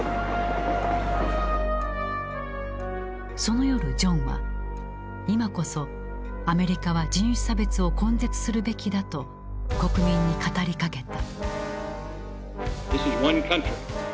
その夜ジョンは今こそアメリカは人種差別を根絶するべきだと国民に語りかけた。